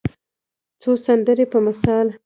څو سندرې په مثال